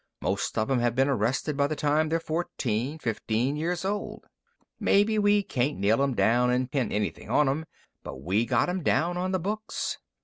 Most of 'em have been arrested by the time they're fourteen, fifteen years old. Maybe we can't nail 'em down and pin anything on 'em, but we got 'em down on the books.